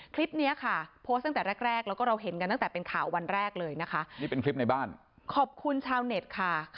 คลิปนี้ค่ะโพสต์ตั้งแต่แรก